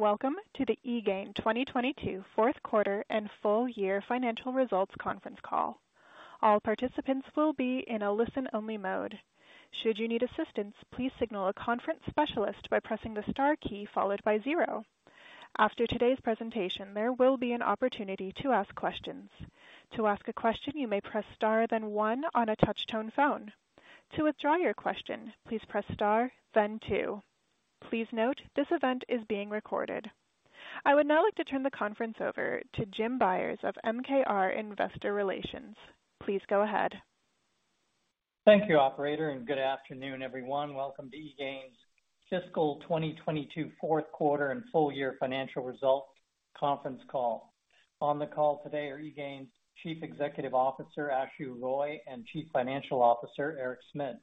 Welcome to the eGain 2022 fourth quarter and full year financial results conference call. All participants will be in a listen-only mode. Should you need assistance, please signal a conference specialist by pressing the star key followed by zero. After today's presentation, there will be an opportunity to ask questions. To ask a question, you may press star then one on a touch-tone phone. To withdraw your question, please press star then two. Please note, this event is being recorded. I would now like to turn the conference over to Jim Byers of MKR Investor Relations. Please go ahead. Thank you, operator, and good afternoon, everyone. Welcome to eGain's fiscal 2022 fourth quarter and full year financial results conference call. On the call today are eGain's Chief Executive Officer, Ashu Roy, and Chief Financial Officer, Eric Smit.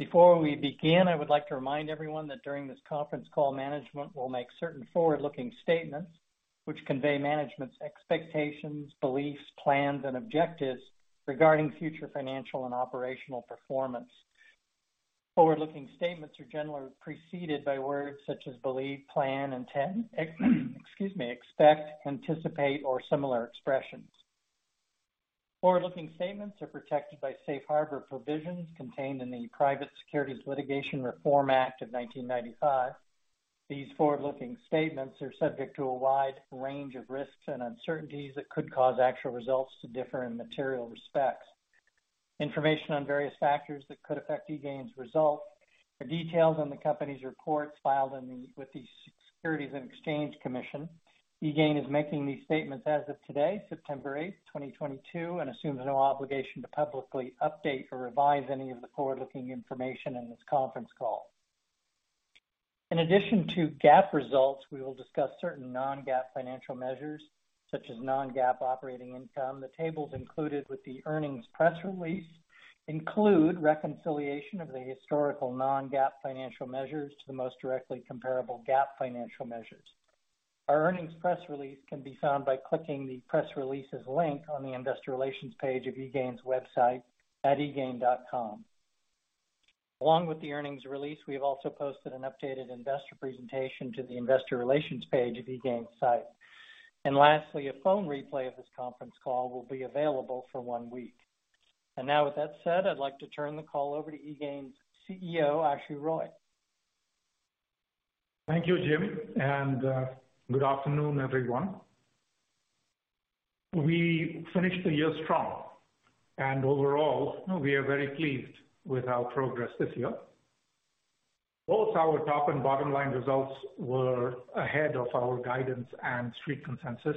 Before we begin, I would like to remind everyone that during this conference call, management will make certain forward-looking statements which convey management's expectations, beliefs, plans, and objectives regarding future financial and operational performance. Forward-looking statements are generally preceded by words such as believe, plan, intend, expect, anticipate, or similar expressions. Forward-looking statements are protected by safe harbor provisions contained in the Private Securities Litigation Reform Act of 1995. These forward-looking statements are subject to a wide range of risks and uncertainties that could cause actual results to differ in material respects. Information on various factors that could affect eGain's results are detailed in the company's reports filed with the Securities and Exchange Commission. eGain is making these statements as of today, September 8th, 2022, and assumes no obligation to publicly update or revise any of the forward-looking information in this conference call. In addition to GAAP results, we will discuss certain non-GAAP financial measures, such as non-GAAP operating income. The tables included with the earnings press release include reconciliation of the historical non-GAAP financial measures to the most directly comparable GAAP financial measures. Our earnings press release can be found by clicking the Press Releases link on the Investor Relations page of eGain's website at egain.com. Along with the earnings release, we have also posted an updated investor presentation to the Investor Relations page of eGain's site. Lastly, a phone replay of this conference call will be available for one week. Now with that said, I'd like to turn the call over to eGain's CEO, Ashu Roy. Thank you, Jim, and good afternoon, everyone. We finished the year strong, and overall, we are very pleased with our progress this year. Both our top and bottom line results were ahead of our guidance and street consensus.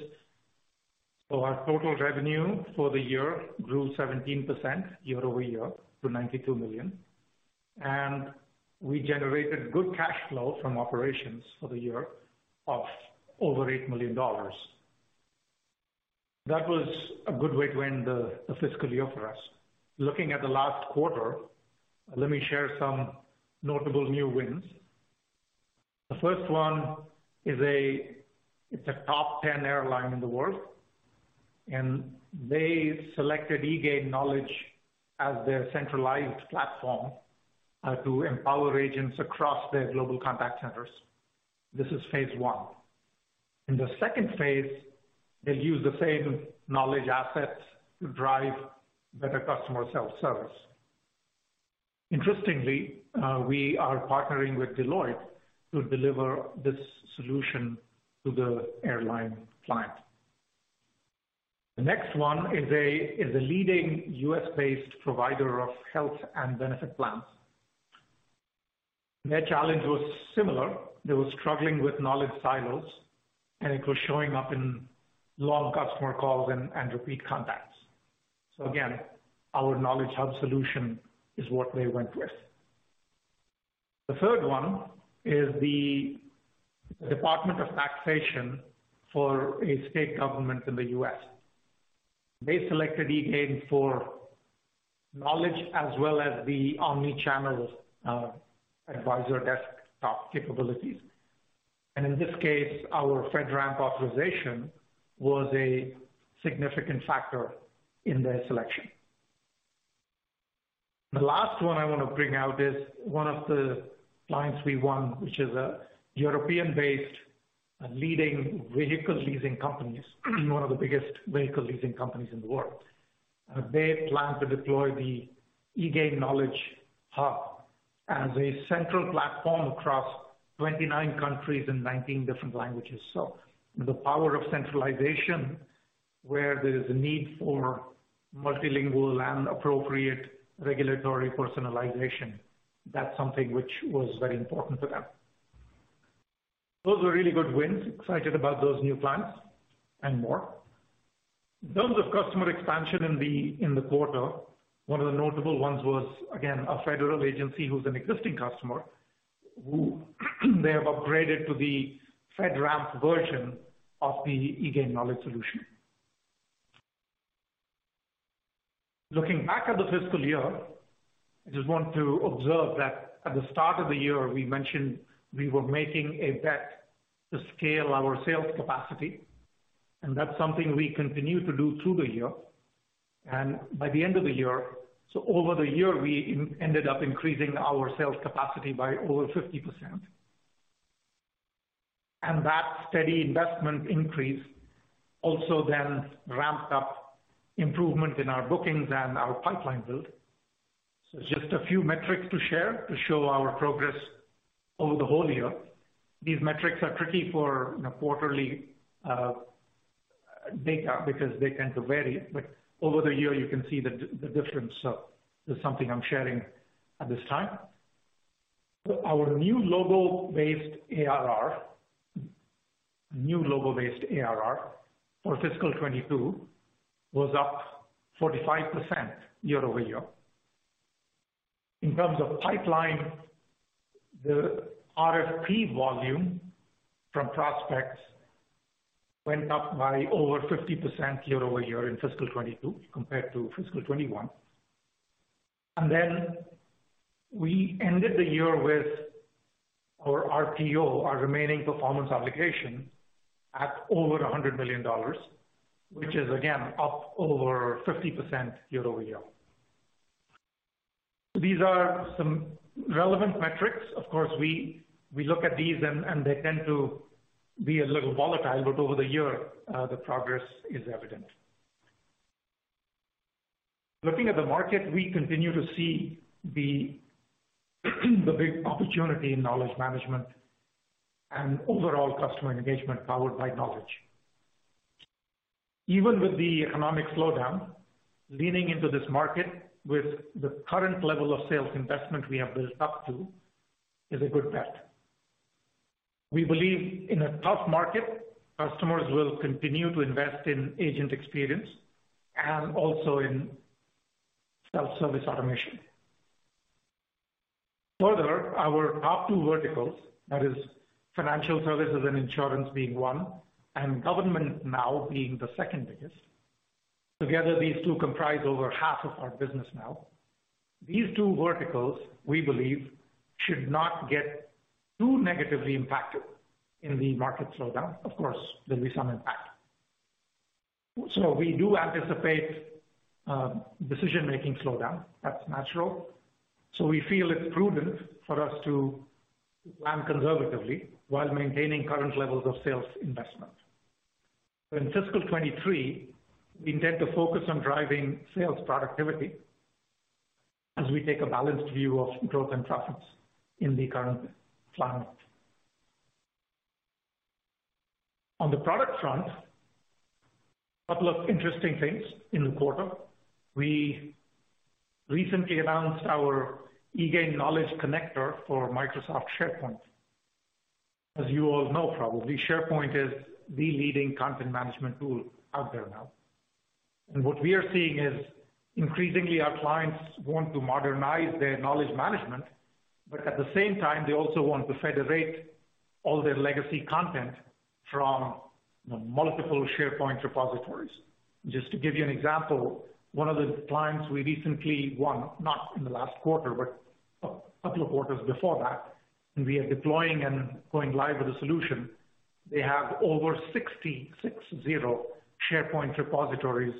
Our total revenue for the year grew 17% year-over-year to $92 million, and we generated good cash flow from operations for the year of over $8 million. That was a good way to end the fiscal year for us. Looking at the last quarter, let me share some notable new wins. The first one is. It's a top ten airline in the world, and they selected eGain Knowledge as their centralized platform to empower agents across their global contact centers. This is phase one. In the second phase, they'll use the same knowledge assets to drive better customer self-service. Interestingly, we are partnering with Deloitte to deliver this solution to the airline client. The next one is a leading U.S.-based provider of health and benefit plans. Their challenge was similar. They were struggling with knowledge silos, and it was showing up in long customer calls and repeat contacts. Again, our Knowledge Hub solution is what they went with. The third one is the Department of Taxation for a state government in the U.S. They selected eGain for Knowledge as well as the Omnichannel Advisor Desktop capabilities. In this case, our FedRAMP authorization was a significant factor in their selection. The last one I wanna bring out is one of the clients we won, which is a European-based leading vehicle leasing companies, one of the biggest vehicle leasing companies in the world. They plan to deploy the eGain Knowledge Hub as a central platform across 29 countries in 19 different languages. The power of centralization where there is a need for multilingual and appropriate regulatory personalization, that's something which was very important to them. Those were really good wins. Excited about those new clients and more. In terms of customer expansion in the quarter, one of the notable ones was, again, a federal agency who's an existing customer, who they have upgraded to the FedRAMP version of the eGain Knowledge solution. Looking back at the fiscal year, I just want to observe that at the start of the year, we mentioned we were making a bet to scale our sales capacity, and that's something we continued to do through the year. Over the year, we ended up increasing our sales capacity by over 50%. That steady investment increase also then ramped up improvement in our bookings and our pipeline build. Just a few metrics to share to show our progress over the whole year. These metrics are tricky for, you know, quarterly data because they tend to vary. Over the year, you can see the difference. This is something I'm sharing at this time. Our new logo-based ARR for fiscal 2022 was up 45% year-over-year. In terms of pipeline, the RFP volume from prospects went up by over 50% year-over-year in fiscal 2022 compared to fiscal 2021. Then we ended the year with our RPO, our remaining performance obligation, at over $100 million, which is again up over 50% year-over-year. These are some relevant metrics. Of course, we look at these and they tend to be a little volatile, but over the year, the progress is evident. Looking at the market, we continue to see the big opportunity in knowledge management and overall customer engagement powered by knowledge. Even with the economic slowdown, leaning into this market with the current level of sales investment we have built up to is a good bet. We believe in a tough market, customers will continue to invest in agent experience and also in self-service automation. Further, our top two verticals, that is financial services and insurance being one, and government now being the second biggest. Together, these two comprise over half of our business now. These two verticals, we believe, should not get too negatively impacted in the market slowdown. Of course, there'll be some impact. We do anticipate decision-making slowdown. That's natural. We feel it prudent for us to plan conservatively while maintaining current levels of sales investment. In fiscal 2023, we intend to focus on driving sales productivity as we take a balanced view of growth and profits in the current climate. On the product front, a couple of interesting things in the quarter. We recently announced our eGain Knowledge Connector for Microsoft SharePoint. As you all know, probably SharePoint is the leading content management tool out there now. What we are seeing is increasingly our clients want to modernize their knowledge management, but at the same time, they also want to federate all their legacy content from, you know, multiple SharePoint repositories. Just to give you an example, one of the clients we recently won, not in the last quarter, but a couple of quarters before that, and we are deploying and going live with a solution. They have over 60 SharePoint repositories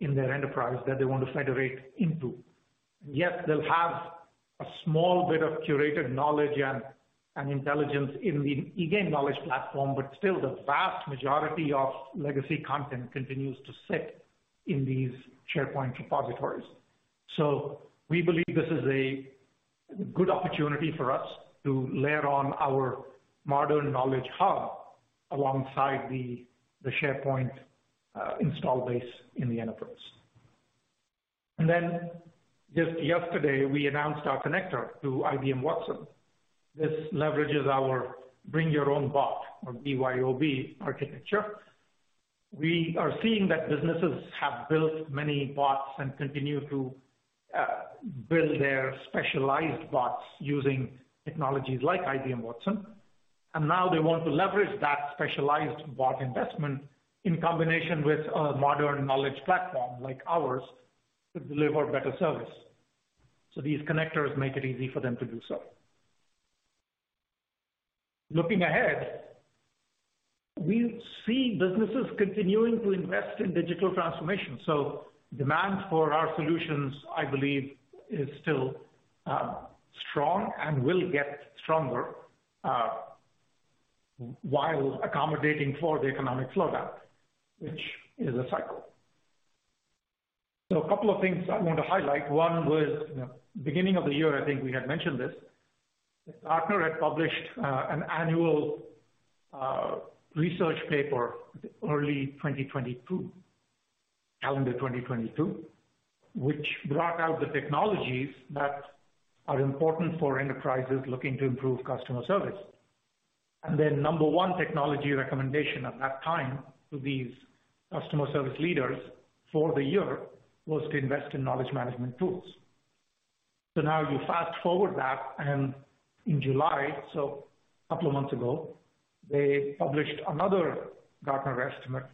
in their enterprise that they want to federate into. Yet they'll have a small bit of curated knowledge and intelligence in the eGain knowledge platform, but still the vast majority of legacy content continues to sit in these SharePoint repositories. We believe this is a good opportunity for us to layer on our modern knowledge hub alongside the SharePoint install base in the enterprise. Then just yesterday, we announced our connector to IBM Watson. This leverages our Bring Your Own Bot or BYOB architecture. We are seeing that businesses have built many bots and continue to build their specialized bots using technologies like IBM Watson, and now they want to leverage that specialized bot investment in combination with a modern knowledge platform like ours to deliver better service. These connectors make it easy for them to do so. Looking ahead, we see businesses continuing to invest in digital transformation. Demand for our solutions, I believe, is still strong and will get stronger while accommodating for the economic slowdown, which is a cycle. A couple of things I want to highlight. One was, you know, beginning of the year, I think we had mentioned this, that Gartner had published an annual research paper early 2022, calendar 2022, which brought out the technologies that are important for enterprises looking to improve customer service. Their number one technology recommendation at that time to these customer service leaders for the year was to invest in knowledge management tools. Now you fast-forward that, and in July, so a couple of months ago, they published another Gartner estimate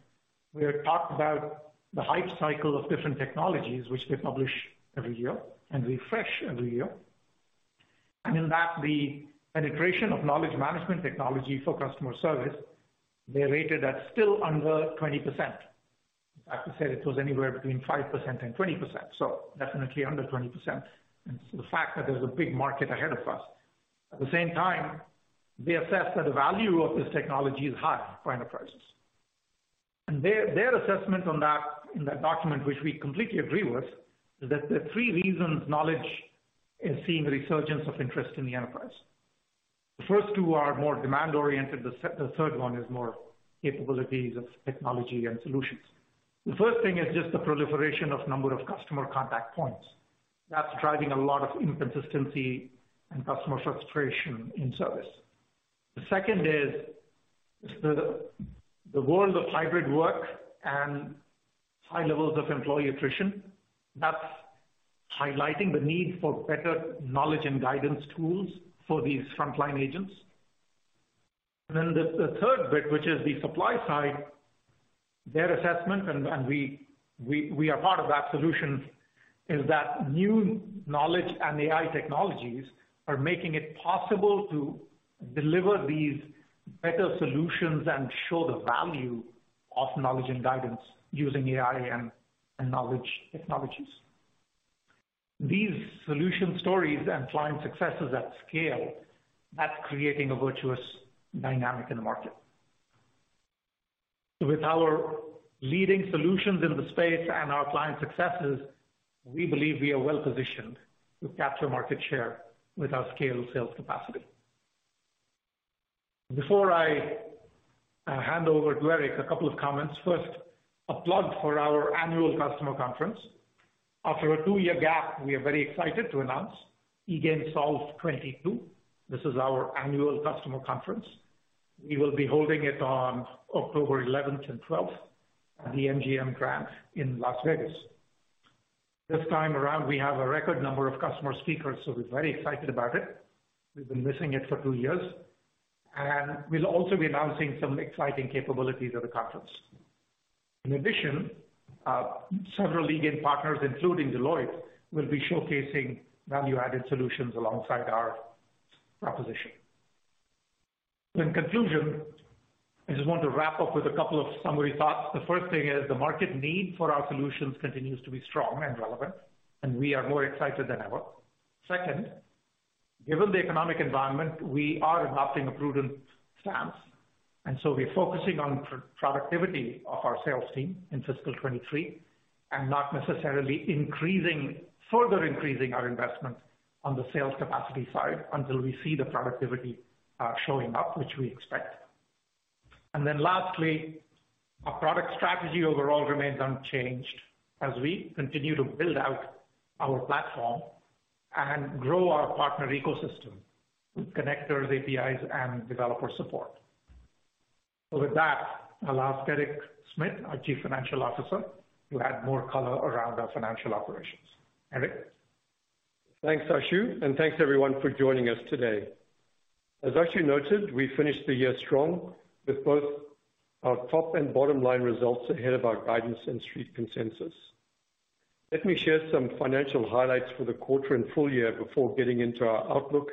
where it talked about the hype cycle of different technologies, which they publish every year and refresh every year. In that the penetration of knowledge management technology for customer service, they rated that still under 20%. I have to say it was anywhere between 5% and 20%, so definitely under 20%. The fact that there's a big market ahead of us. At the same time, they assess that the value of this technology is high for enterprises. Their assessment on that in that document, which we completely agree with, is that the three reasons knowledge is seeing a resurgence of interest in the enterprise. The first two are more demand-oriented, the third one is more capabilities of technology and solutions. The first thing is just the proliferation of number of customer contact points. That's driving a lot of inconsistency and customer frustration in service. The second is the world of hybrid work and high levels of employee attrition. That's highlighting the need for better knowledge and guidance tools for these frontline agents. The third bit, which is the supply side, their assessment and we are part of that solution, is that new knowledge and AI technologies are making it possible to deliver these better solutions and show the value of knowledge and guidance using AI and knowledge technologies. These solution stories and client successes at scale, that's creating a virtuous dynamic in the market. With our leading solutions in the space and our client successes, we believe we are well-positioned to capture market share with our scaled sales capacity. Before I hand over to Eric, a couple of comments. First, a plug for our annual customer conference. After a two-year gap, we are very excited to announce eGain Solve 2022. This is our annual customer conference. We will be holding it on October 11th and 12th at the MGM Grand in Las Vegas. This time around, we have a record number of customer speakers, so we're very excited about it. We've been missing it for two years, and we'll also be announcing some exciting capabilities at the conference. In addition, several eGain partners, including Deloitte, will be showcasing value-added solutions alongside our proposition. In conclusion, I just want to wrap up with a couple of summary thoughts. The first thing is the market need for our solutions continues to be strong and relevant, and we are more excited than ever. Second, given the economic environment, we are adopting a prudent stance, and so we're focusing on productivity of our sales team in fiscal 2023, and not necessarily further increasing our investments on the sales capacity side until we see the productivity showing up, which we expect. Lastly, our product strategy overall remains unchanged as we continue to build out our platform and grow our partner ecosystem with connectors, APIs, and developer support. With that, I'll ask Eric Smit, our Chief Financial Officer, to add more color around our financial operations. Eric? Thanks, Ashu, and thanks everyone for joining us today. As Ashu noted, we finished the year strong with both our top and bottom line results ahead of our guidance and Street consensus. Let me share some financial highlights for the quarter and full year before getting into our outlook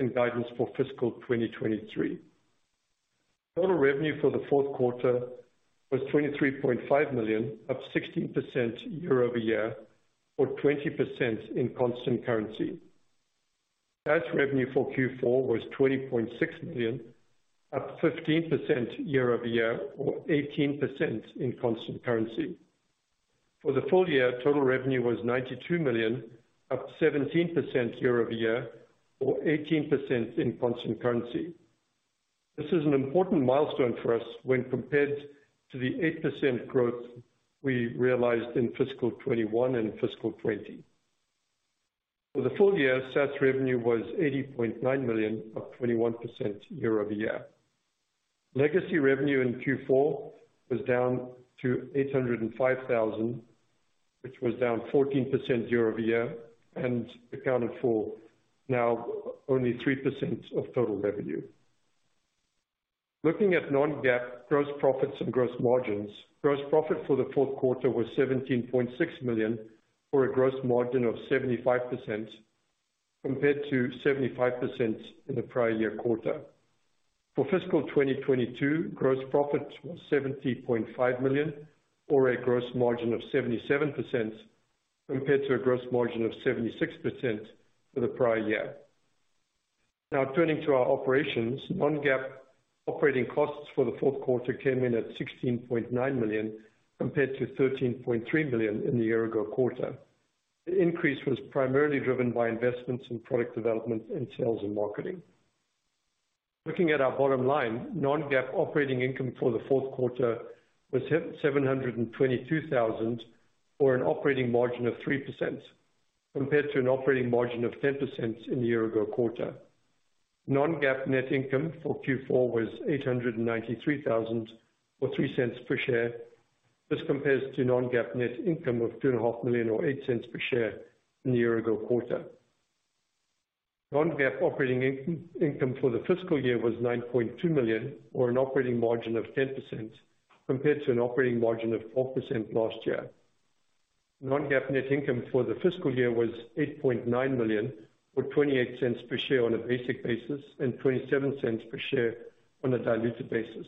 and guidance for fiscal 2023. Total revenue for the fourth quarter was $23.5 million, up 16% year over year or 20% in constant currency. Cash revenue for Q4 was $20.6 million, up 15% year over year or 18% in constant currency. For the full year, total revenue was $92 million, up 17% year over year or 18% in constant currency. This is an important milestone for us when compared to the 8% growth we realized in fiscal 2021 and fiscal 2020. For the full year, SaaS revenue was $80.9 million, up 21% year-over-year. Legacy revenue in Q4 was down to $805,000, which was down 14% year-over-year and accounted for now only 3% of total revenue. Looking at non-GAAP gross profits and gross margins, gross profit for the fourth quarter was $17.6 million or a gross margin of 75%, compared to 75% in the prior year quarter. For fiscal 2022, gross profit was $70.5 million or a gross margin of 77% compared to a gross margin of 76% for the prior year. Now turning to our operations. Non-GAAP operating costs for the fourth quarter came in at $16.9 million compared to $13.3 million in the year-ago quarter. The increase was primarily driven by investments in product development and sales and marketing. Looking at our bottom line, non-GAAP operating income for the fourth quarter was $722,000 or an operating margin of 3%, compared to an operating margin of 10% in the year ago quarter. Non-GAAP net income for Q4 was $893,000 or $0.03 per share. This compares to non-GAAP net income of $2.5 million or $0.08 per share in the year ago quarter. Non-GAAP operating income for the fiscal year was $9.2 million or an operating margin of 10%, compared to an operating margin of 4% last year. Non-GAAP net income for the fiscal year was $8.9 million, or $0.28 per share on a basic basis and $0.27 per share on a diluted basis.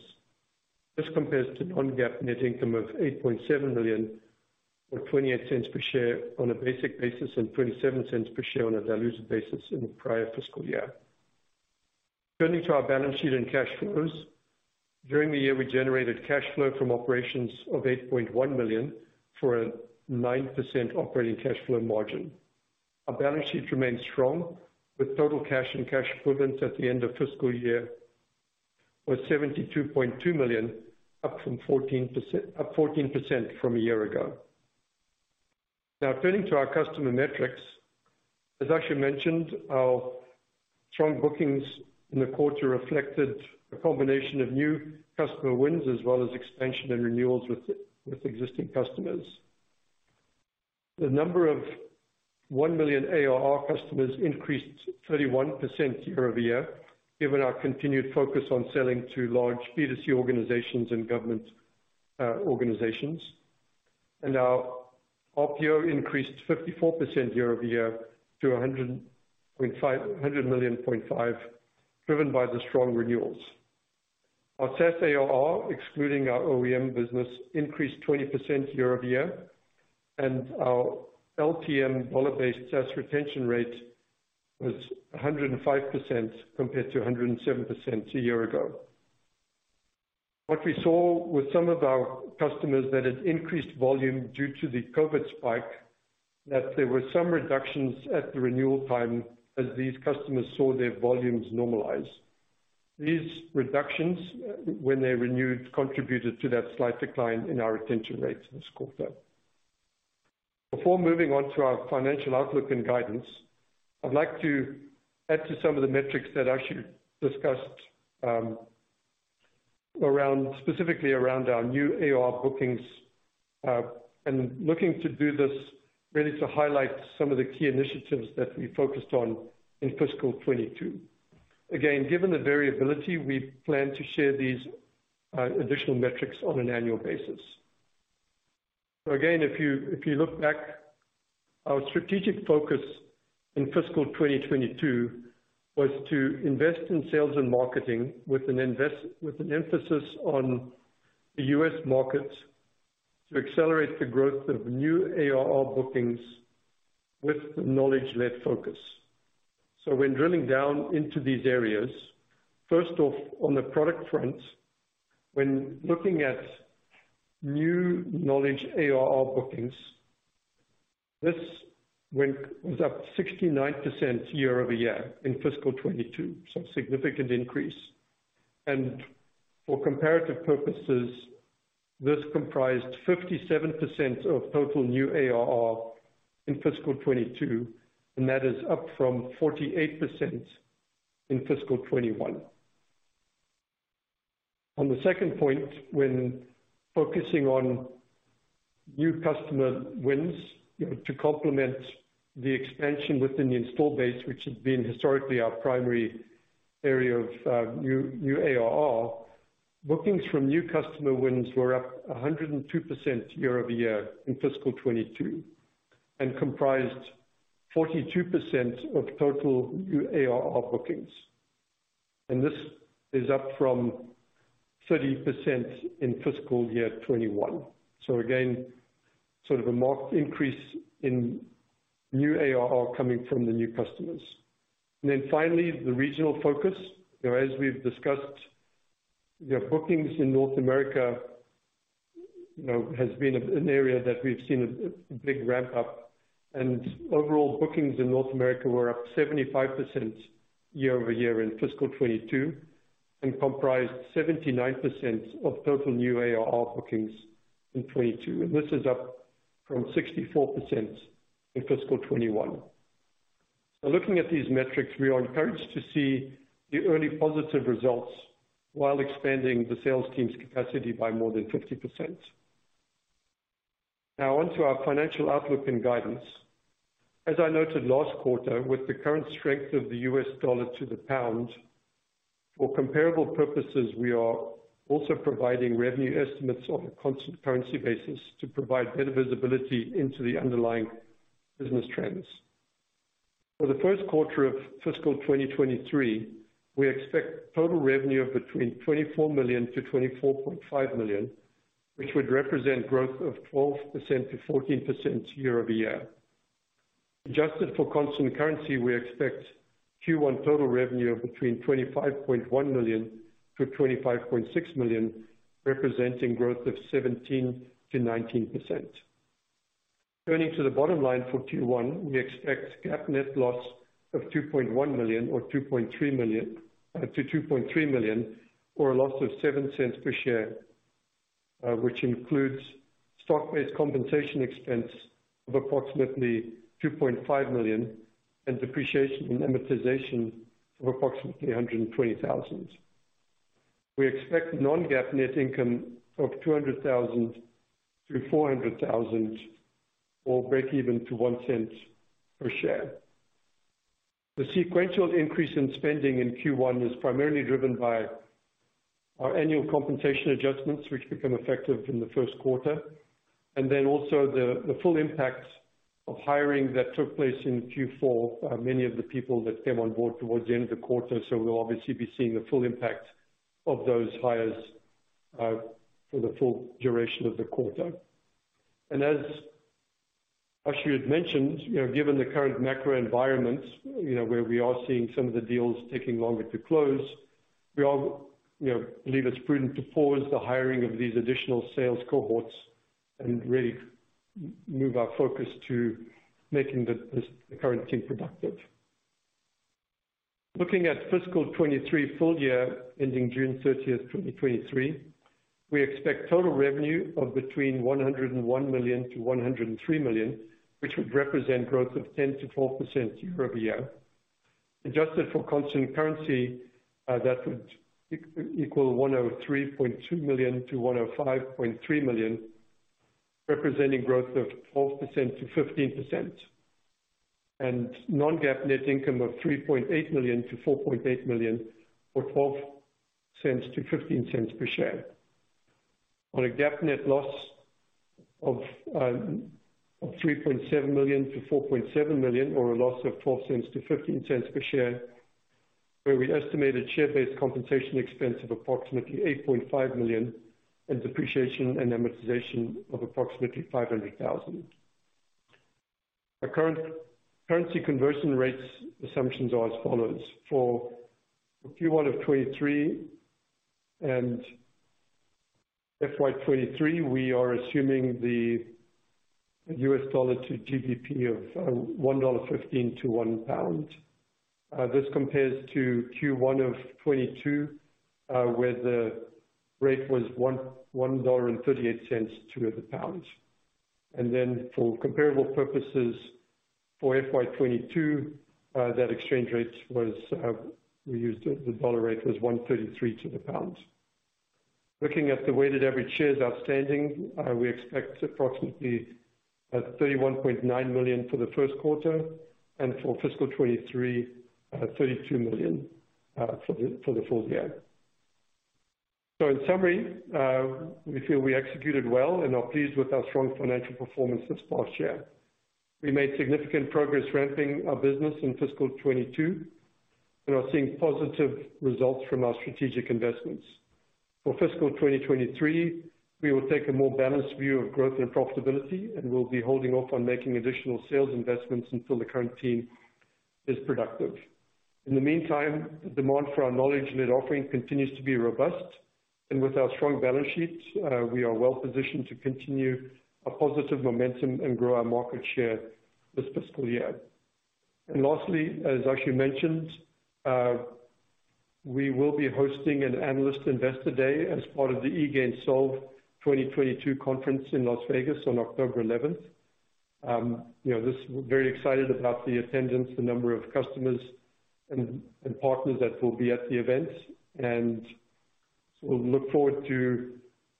This compares to non-GAAP net income of $8.7 million or $0.28 per share on a basic basis and $0.27 per share on a diluted basis in the prior fiscal year. Turning to our balance sheet and cash flows, during the year, we generated cash flow from operations of $8.1 million for a 9% operating cash flow margin. Our balance sheet remains strong with total cash and cash equivalents at the end of fiscal year was $72.2 million, up 14% from a year ago. Now turning to our customer metrics, as Ashu mentioned, our strong bookings in the quarter reflected a combination of new customer wins as well as expansion and renewals with existing customers. The number of $1 million ARR customers increased 31% year-over-year, given our continued focus on selling to large B2C organizations and government organizations. Our RPO increased 54% year-over-year to $105.5 million, driven by the strong renewals. Our SaaS ARR, excluding our OEM business, increased 20% year-over-year, and our LTM dollar-based SaaS retention rate was 105% compared to 107% a year ago. What we saw with some of our customers that had increased volume due to the COVID spike, that there were some reductions at the renewal time as these customers saw their volumes normalize. These reductions, when they renewed, contributed to that slight decline in our retention rates this quarter. Before moving on to our financial outlook and guidance, I'd like to add to some of the metrics that Ashu discussed, around, specifically around our new ARR bookings, and looking to do this really to highlight some of the key initiatives that we focused on in fiscal 2022. Again, given the variability, we plan to share these additional metrics on an annual basis. If you look back, our strategic focus in fiscal 2022 was to invest in sales and marketing with an emphasis on the U.S. market to accelerate the growth of new ARR bookings with the knowledge-led focus. When drilling down into these areas, first off, on the product front, when looking at new knowledge ARR bookings, this was up 69% year-over-year in fiscal 2022. A significant increase. For comparative purposes, this comprised 57% of total new ARR in fiscal 2022, and that is up from 48% in fiscal 2021. On the second point, when focusing on new customer wins, you know, to complement the expansion within the install base, which has been historically our primary area of new ARR, bookings from new customer wins were up 102% year-over-year in fiscal 2022, and comprised 42% of total new ARR bookings. This is up from 30% in fiscal year 2021. Again, sort of a marked increase in new ARR coming from the new customers. Then finally, the regional focus. You know, as we've discussed, the bookings in North America, you know, has been an area that we've seen a big ramp up. Overall bookings in North America were up 75% year-over-year in fiscal 2022, and comprised 79% of total new ARR bookings in 2022. This is up from 64% in fiscal 2021. Looking at these metrics, we are encouraged to see the early positive results while expanding the sales team's capacity by more than 50%. Now on to our financial outlook and guidance. As I noted last quarter, with the current strength of the U.S. dollar to the pound, for comparable purposes, we are also providing revenue estimates on a constant currency basis to provide better visibility into the underlying business trends. For the first quarter of fiscal 2023, we expect total revenue of between $24 million-$24.5 million, which would represent growth of 12%-14% year-over-year. Adjusted for constant currency, we expect Q1 total revenue of between $25.1 million-$25.6 million, representing growth of 17%-19%. Turning to the bottom line for Q1, we expect GAAP net loss of $2.1 million-$2.3 million or a loss of $0.07 per share, which includes stock-based compensation expense of approximately $2.5 million and depreciation and amortization of approximately $120,000. We expect non-GAAP net income of $200,000-$400,000 or break-even to $0.01 per share. The sequential increase in spending in Q1 is primarily driven by our annual compensation adjustments, which become effective in the first quarter, and then also the full impact of hiring that took place in Q4. Many of the people that came on board towards the end of the quarter, so we'll obviously be seeing the full impact of those hires for the full duration of the quarter. As Ashu had mentioned, you know, given the current macro environment, you know, where we are seeing some of the deals taking longer to close, we, you know, believe it's prudent to pause the hiring of these additional sales cohorts and really move our focus to making the current team productive. Looking at fiscal 2023 full year, ending June 30th, 2023, we expect total revenue of between $101 million-$103 million, which would represent growth of 10%-12% year-over-year. Adjusted for constant currency, that would equal $103.2 million-$105.3 million, representing growth of 12%-15%. Non-GAAP net income of $3.8 million-$4.8 million, or $0.12-$0.15 per share. On a GAAP net loss of $3.7 million-$4.7 million, or a loss of $0.12-$0.15 per share, where we estimated share-based compensation expense of approximately $8.5 million, and depreciation and amortization of approximately $500,000. Our current currency conversion rates assumptions are as follows. For Q1 of 2023 and FY 2023, we are assuming the U.S. dollar to GBP of 1.15 to 1 pound. This compares to Q1 of 2022, where the rate was $1.38 to the pound. For comparable purposes for FY 2022, we used the dollar rate was $1.33 to the pound. Looking at the weighted average shares outstanding, we expect approximately 31.9 million for the first quarter and for fiscal 2023, 32 million for the full year. In summary, we feel we executed well and are pleased with our strong financial performance this past year. We made significant progress ramping our business in fiscal 2022 and are seeing positive results from our strategic investments. For fiscal 2023, we will take a more balanced view of growth and profitability, and we'll be holding off on making additional sales investments until the current team is productive. In the meantime, the demand for our knowledge led offering continues to be robust. With our strong balance sheets, we are well positioned to continue a positive momentum and grow our market share this fiscal year. Lastly, as Ashu mentioned, we will be hosting an analyst investor day as part of the eGain Solve 2022 conference in Las Vegas on October eleventh. You know, this, we're very excited about the attendance, the number of customers and partners that will be at the event, and so we look forward to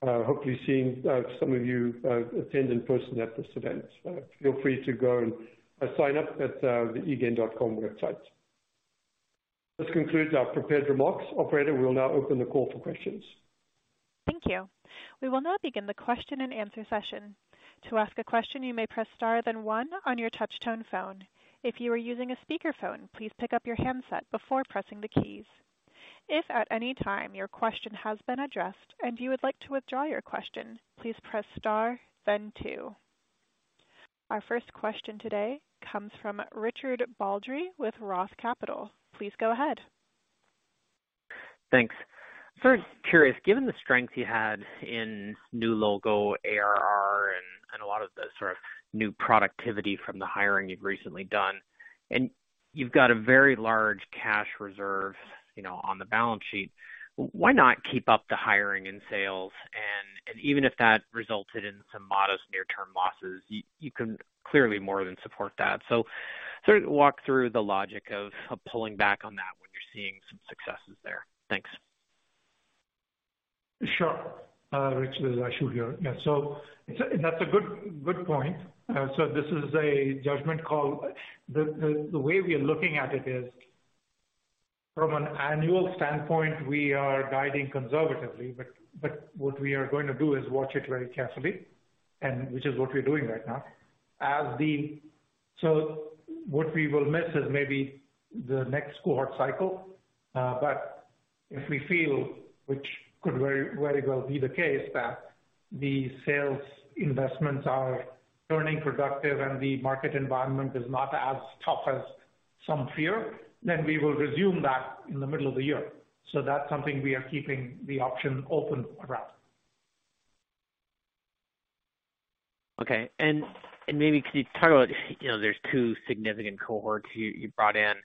hopefully seeing some of you attend in person at this event. Feel free to go and sign up at the eGain.com website. This concludes our prepared remarks. Operator, we will now open the call for questions. Thank you. We will now begin the question-and-answer session. To ask a question, you may press star then one on your touch tone phone. If you are using a speaker phone, please pick up your handset before pressing the keys. If at any time your question has been addressed and you would like to withdraw your question, please press star then two. Our first question today comes from Richard Baldry with Roth Capital. Please go ahead. Thanks. First, curious, given the strength you had in new logo ARR and a lot of the sort of new productivity from the hiring you've recently done, and you've got a very large cash reserve, you know, on the balance sheet, why not keep up the hiring in sales and even if that resulted in some modest near-term losses, you can clearly more than support that. So sort of walk through the logic of pulling back on that when you're seeing some successes there. Thanks. Sure. Richard, Ashu here. Yeah. That's a good point. This is a judgment call. The way we are looking at it is from an annual standpoint, we are guiding conservatively, but what we are going to do is watch it very carefully and which is what we're doing right now. What we will miss is maybe the next cohort cycle. If we feel, which could very well be the case, that the sales investments are turning productive and the market environment is not as tough as some fear, then we will resume that in the middle of the year. That's something we are keeping the option open around. Okay. Maybe can you talk about, you know, there's two significant cohorts you brought in.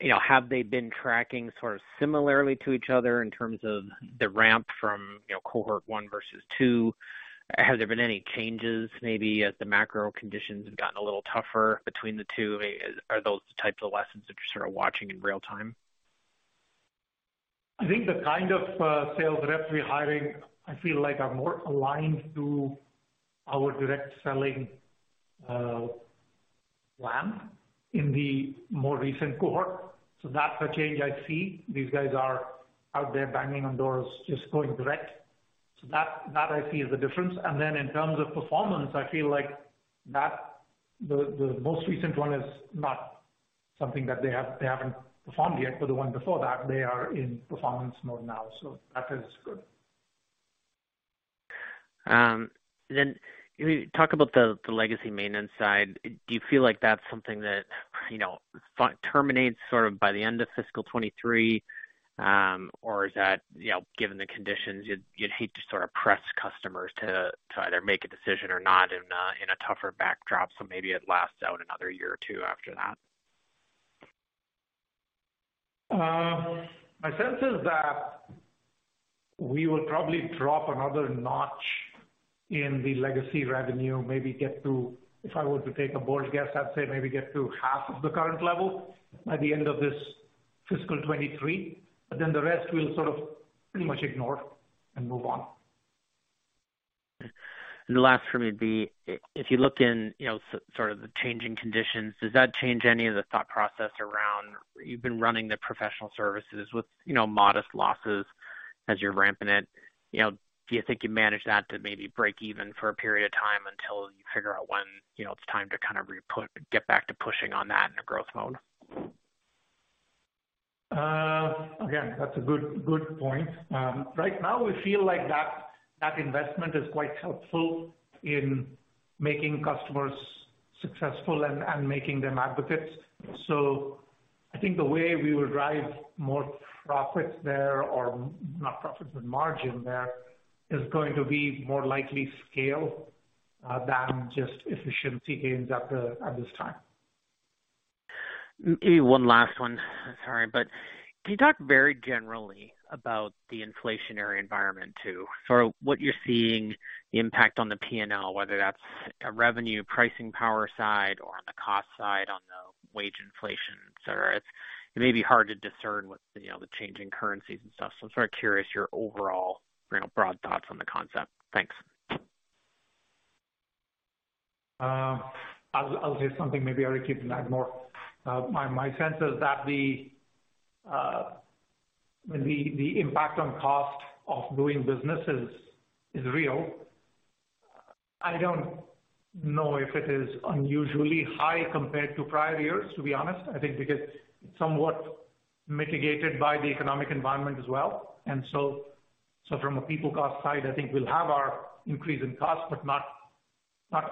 You know, have they been tracking sort of similarly to each other in terms of the ramp from, you know, cohort one versus two? Has there been any changes maybe as the macro conditions have gotten a little tougher between the two? Are those the types of lessons that you're sort of watching in real time? I think the kind of sales reps we're hiring, I feel like are more aligned to our direct selling plan in the more recent cohort. That's a change I see. These guys are out there banging on doors, just going direct. That I see is the difference. In terms of performance, I feel like the most recent one they haven't performed yet, but the one before that, they are in performance mode now, so that is good. Can we talk about the legacy maintenance side? Do you feel like that's something that, you know, that terminates sort of by the end of fiscal 2023, or is that, you know, given the conditions, you'd hate to sort of press customers to either make a decision or not in a tougher backdrop, so maybe it lasts out another year or two after that? My sense is that we will probably drop another notch in the legacy revenue, maybe get to, if I were to take a bold guess, I'd say maybe get to half of the current level by the end of this fiscal 2023, but then the rest we'll sort of pretty much ignore and move on. If you look in, you know, sort of the changing conditions, does that change any of the thought process around. You've been running the professional services with, you know, modest losses as you're ramping it. You know, do you think you manage that to maybe break even for a period of time until you figure out when, you know, it's time to kind of get back to pushing on that in a growth mode? Again, that's a good point. Right now we feel like that investment is quite helpful in making customers successful and making them advocates. I think the way we would drive more profits there or not profits, but margin there, is going to be more likely scale than just efficiency gains at this time. Maybe one last one. Sorry. Can you talk very generally about the inflationary environment too? Sort of what you're seeing impact on the P&L, whether that's a revenue pricing power side or on the cost side, on the wage inflation, et cetera. It may be hard to discern with, you know, the changing currencies and stuff, so I'm sort of curious your overall, you know, broad thoughts on the concept. Thanks. I'll say something. Maybe Eric, you can add more. My sense is that the impact on cost of doing business is real. I don't know if it is unusually high compared to prior years, to be honest. I think because it's somewhat mitigated by the economic environment as well. From a people cost side, I think we'll have our increase in cost, but not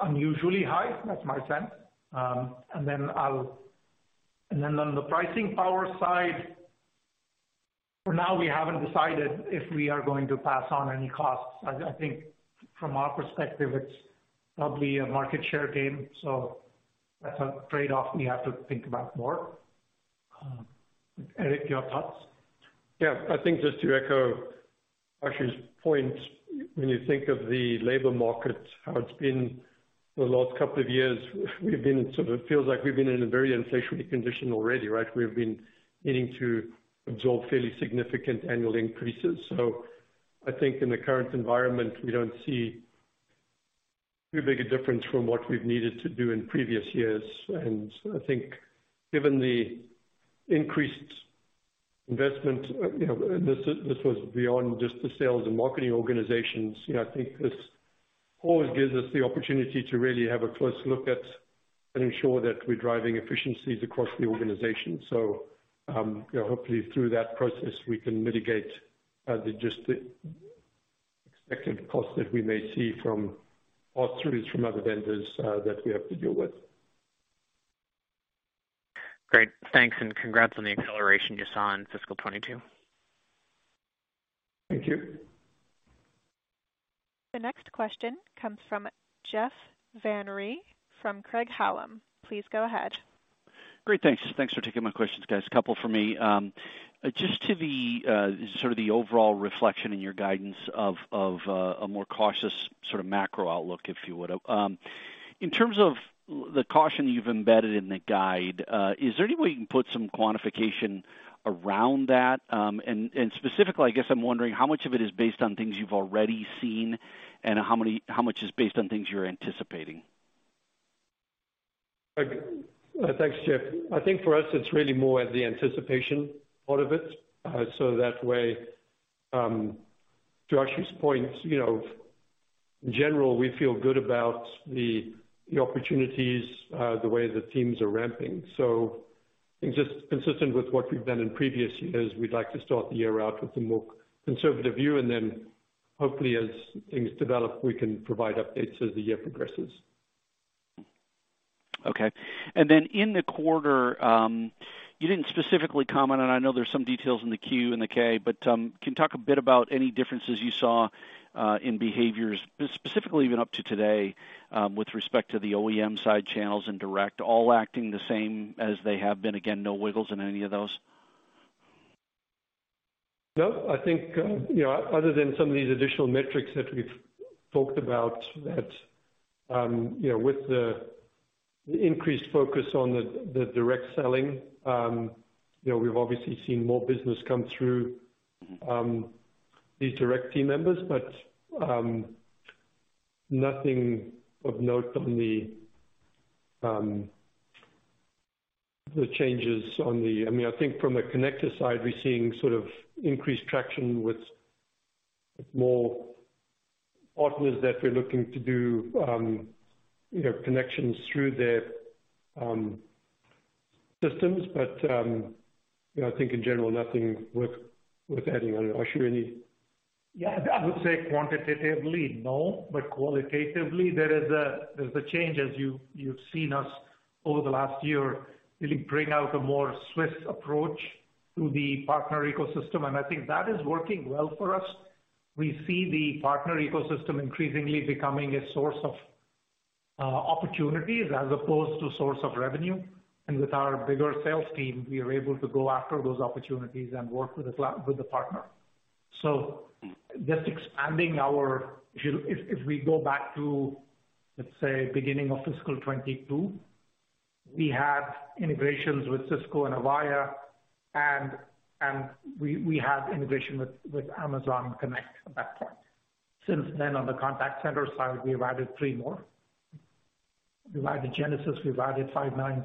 unusually high. That's my sense. On the pricing power side, for now we haven't decided if we are going to pass on any costs. I think from our perspective it's probably a market share game, so that's a trade-off we have to think about more. Eric, your thoughts? Yeah. I think just to echo Ashu's point, when you think of the labor market, how it's been for the last couple of years, we've been in sort of feels like we've been in a very inflationary condition already, right? We've been needing to absorb fairly significant annual increases. So I think in the current environment, we don't see too big a difference from what we've needed to do in previous years. I think given the increased investment, you know, this was beyond just the sales and marketing organizations. You know, I think this always gives us the opportunity to really have a close look at and ensure that we're driving efficiencies across the organization. you know, hopefully through that process we can mitigate just the expected costs that we may see from pass-throughs from other vendors that we have to deal with. Great. Thanks, and congrats on the acceleration you saw in fiscal 2022. Thank you. The next question comes from Jeff Van Rhee from Craig-Hallum. Please go ahead. Great. Thanks. Thanks for taking my questions, guys. A couple for me. Just to the sort of overall reflection in your guidance of a more cautious sort of macro outlook, if you would. In terms of the caution you've embedded in the guide, is there any way you can put some quantification around that? Specifically, I guess I'm wondering how much of it is based on things you've already seen, and how much is based on things you're anticipating? Thanks, Jeff. I think for us it's really more at the anticipation part of it. That way, to Ashu's point, you know, in general, we feel good about the opportunities, the way the teams are ramping. Just consistent with what we've done in previous years, we'd like to start the year out with a more conservative view, and then hopefully as things develop, we can provide updates as the year progresses. Okay. Then in the quarter, you didn't specifically comment, and I know there's some details in the Q and the K, but, can you talk a bit about any differences you saw, in behaviors, specifically even up to today, with respect to the OEM side channels and direct all acting the same as they have been? Again, no wiggles in any of those? No. I think you know, other than some of these additional metrics that we've talked about that, you know, with the increased focus on the direct selling, you know, we've obviously seen more business come through the direct team members. Nothing of note on the changes. I mean, I think from a connector side, we're seeing sort of increased traction with more partners that we're looking to do you know, connections through their systems. You know, I think in general, nothing worth adding. I don't know, Ashu? Yeah. I would say quantitatively, no, but qualitatively there's a change as you've seen us over the last year really bring out a more swift approach to the partner ecosystem, and I think that is working well for us. We see the partner ecosystem increasingly becoming a source of opportunities as opposed to source of revenue. With our bigger sales team, we are able to go after those opportunities and work with the partner. Just expanding our. If we go back to, let's say, beginning of fiscal 2022, we had integrations with Cisco and Avaya, and we had integration with Amazon Connect at that point. Since then, on the contact center side, we've added 3 more. We've added Genesys, we've added Five9.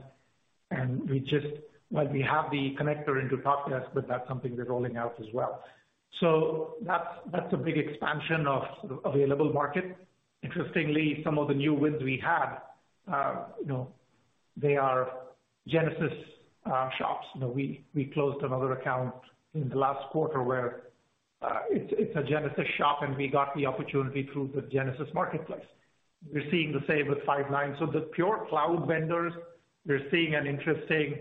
Well, we have the connector into Talkdesk, but that's something we're rolling out as well. So that's a big expansion of sort of available market. Interestingly, some of the new wins we had, you know, they are Genesys shops. You know, we closed another account in the last quarter where, it's a Genesys shop and we got the opportunity through the Genesys marketplace. We're seeing the same with Five9. So the pure cloud vendors, we're seeing an interesting,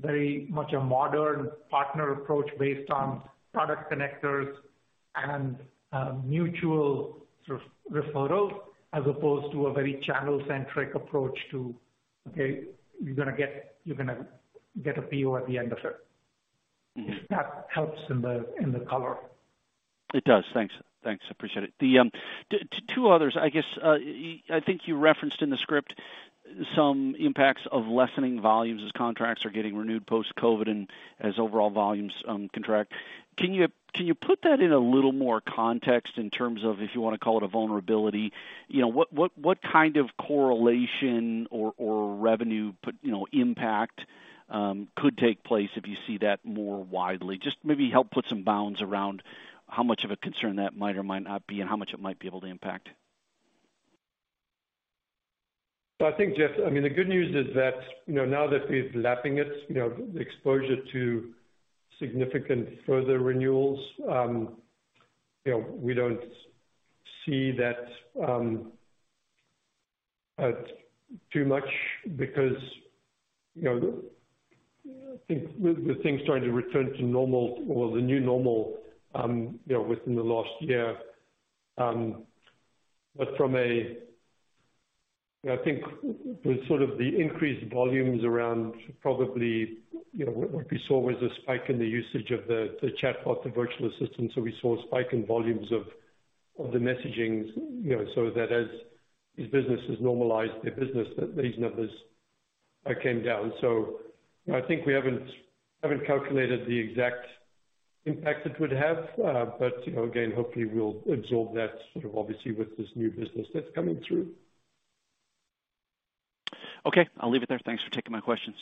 very much a modern partner approach based on product connectors and, mutual sort of referrals as opposed to a very channel-centric approach to, okay, you're gonna get a PO at the end of it. If that helps in the color. It does. Thanks. Thanks. Appreciate it. The two others, I guess. I think you referenced in the script some impacts of lessening volumes as contracts are getting renewed post-COVID and as overall volumes contract. Can you put that in a little more context in terms of, if you wanna call it a vulnerability, you know, what kind of correlation or revenue, you know, impact could take place if you see that more widely? Just maybe help put some bounds around how much of a concern that might or might not be and how much it might be able to impact. I think, Jeff, I mean, the good news is that, you know, now that we're lapping it, you know, exposure to significant further renewals, you know, we don't see that too much because, you know, I think with the things starting to return to normal or the new normal, you know, within the last year. You know, I think with sort of the increased volumes around probably, you know, what we saw was a spike in the usage of the chatbot, the virtual assistant. We saw a spike in volumes of the messaging, you know, so that as these businesses normalized their business, these numbers came down. I think we haven't calculated the exact impact it would have, but, you know, again, hopefully we'll absorb that sort of obviously with this new business that's coming through. Okay. I'll leave it there. Thanks for taking my questions.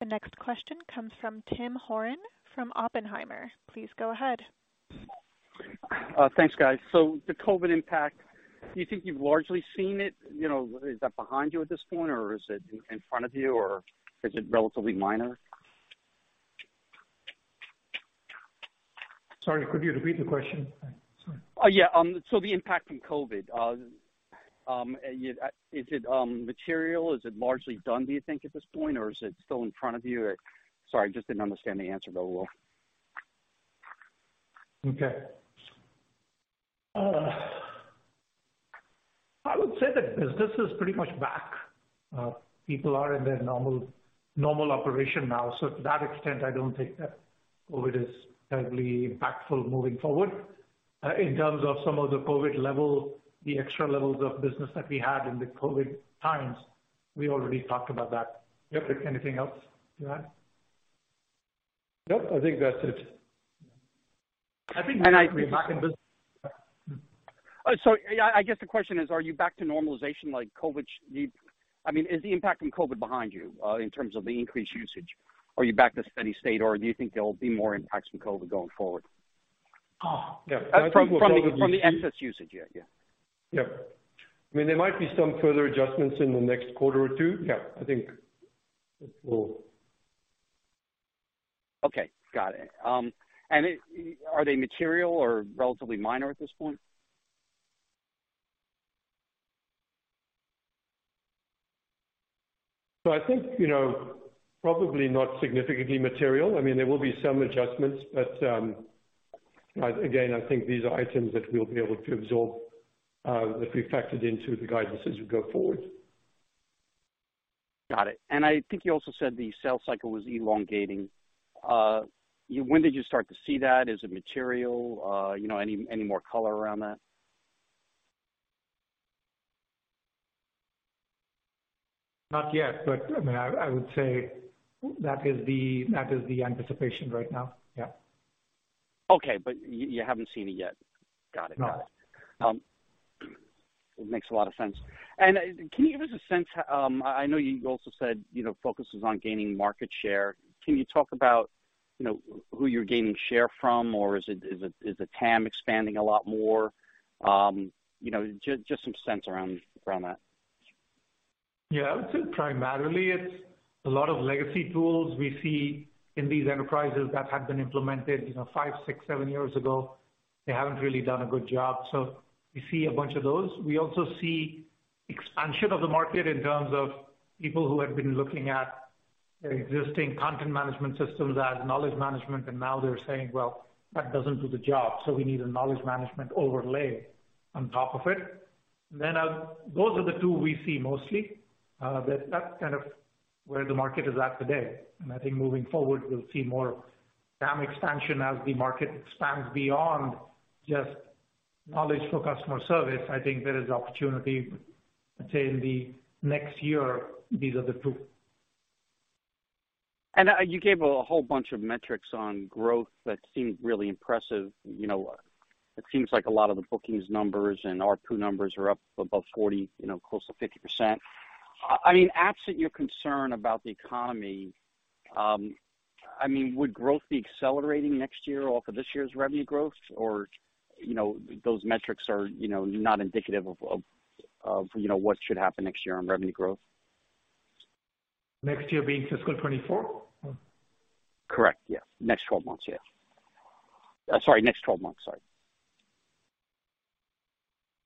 The next question comes from Tim Horan from Oppenheimer. Please go ahead. Thanks, guys. The COVID impact, do you think you've largely seen it? You know, is that behind you at this point, or is it in front of you, or is it relatively minor? Sorry, could you repeat the question? Sorry. Yeah. The impact from COVID, is it material? Is it largely done, do you think, at this point, or is it still in front of you? Sorry, I just didn't understand the answer very well. Okay. I would say that business is pretty much back. People are in their normal operation now. To that extent, I don't think that COVID is terribly impactful moving forward. In terms of some of the COVID level, the extra levels of business that we had in the COVID times, we already talked about that. Jeff, is there anything else to add? Nope. I think that's it. I think- I agree. I guess the question is, are you back to normalization like COVID? I mean, is the impact from COVID behind you, in terms of the increased usage? Are you back to steady state, or do you think there will be more impacts from COVID going forward? Oh. Yeah. From the excess usage. Yeah. Yeah. I mean, there might be some further adjustments in the next quarter or two. Yeah, I think that will. Okay. Got it. Are they material or relatively minor at this point? I think, you know, probably not significantly material. I mean, there will be some adjustments, but, again, I think these are items that we'll be able to absorb, that we factored into the guidance as we go forward. Got it. I think you also said the sales cycle was elongating. When did you start to see that? Is it material? You know, any more color around that? Not yet, but I mean, I would say that is the anticipation right now. Yeah. Okay. You haven't seen it yet? Got it. No. Got it. It makes a lot of sense. Can you give us a sense? I know you also said, you know, focus is on gaining market share. Can you talk about, you know, who you're gaining share from? Or is it, is the TAM expanding a lot more? You know, just some sense around that. Yeah. I would say primarily it's a lot of legacy tools we see in these enterprises that have been implemented, you know, five, six, seven years ago. They haven't really done a good job. We see a bunch of those. We also see expansion of the market in terms of people who have been looking at existing content management systems as knowledge management, and now they're saying, "Well, that doesn't do the job, so we need a knowledge management overlay on top of it." Those are the two we see mostly. That's kind of where the market is at today. I think moving forward, we'll see more TAM expansion as the market expands beyond just knowledge for customer service. I think there is opportunity, let's say in the next year, these are the two. You gave a whole bunch of metrics on growth that seemed really impressive. You know, it seems like a lot of the bookings numbers and ARPU numbers are up above 40%, you know, close to 50%. I mean, absent your concern about the economy, I mean, would growth be accelerating next year off of this year's revenue growth? Or, you know, those metrics are, you know, not indicative of, you know, what should happen next year on revenue growth? Next year being fiscal 2024? Correct. Yeah. Next twelve months. Sorry.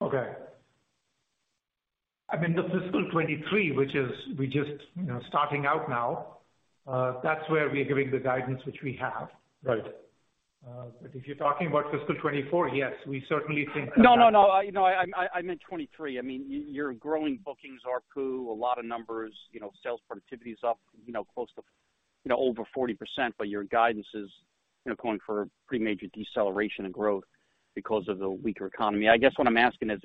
Okay. I mean, the fiscal 2023, which is, we're just, you know, starting out now, that's where we're giving the guidance which we have. Right. If you're talking about fiscal 2024, yes, we certainly think that. No, no. I meant 2023. I mean, you're growing bookings, ARPU, a lot of numbers, you know, sales productivity is up, you know, close to, you know, over 40%, but your guidance is, you know, calling for pretty major deceleration in growth because of the weaker economy. I guess what I'm asking is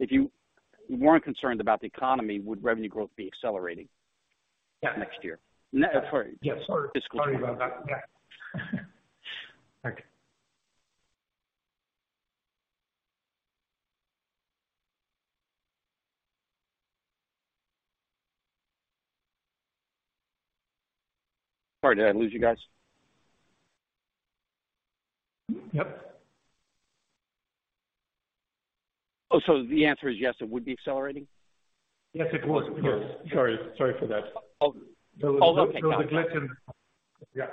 if you weren't concerned about the economy, would revenue growth be accelerating? Yeah. Sorry. Yeah. Sorry. Fiscal- Sorry about that. Yeah. Thank you. Sorry, did I lose you guys? Yep. Oh, the answer is yes, it would be accelerating? Yes, it would. Yes. Sorry for that. All done. Okay. Yeah.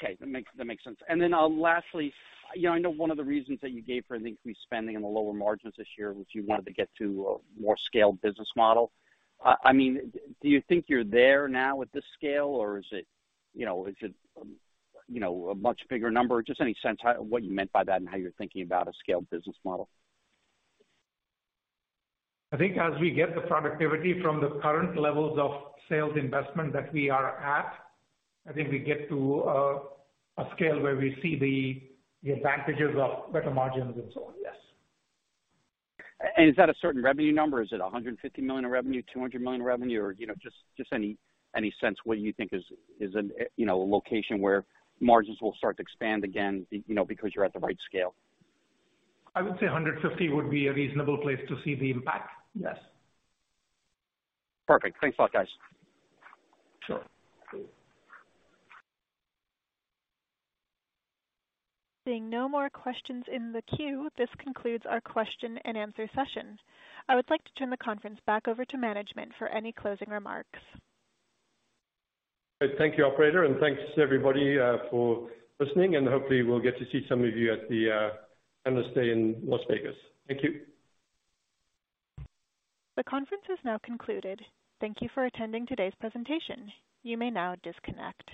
Thanks. Okay, that makes sense. Then, lastly, you know, I know one of the reasons that you gave for the increased spending and the lower margins this year was you wanted to get to a more scaled business model. I mean, do you think you're there now at this scale or is it, you know, is it, you know, a much bigger number? Just any sense how what you meant by that and how you're thinking about a scaled business model. I think as we get the productivity from the current levels of sales investment that we are at, I think we get to a scale where we see the advantages of better margins and so on. Yes. Is that a certain revenue number? Is it $150 million in revenue, $200 million in revenue? You know, just any sense of what you think is a location where margins will start to expand again, you know, because you're at the right scale. I would say $150 million would be a reasonable place to see the impact. Yes. Perfect. Thanks a lot, guys. Sure. Great. Seeing no more questions in the queue, this concludes our question and answer session. I would like to turn the conference back over to management for any closing remarks. Great. Thank you, operator, and thanks everybody, for listening, and hopefully we'll get to see some of you at the Analyst Day in Las Vegas. Thank you. The conference has now concluded. Thank you for attending today's presentation. You may now disconnect.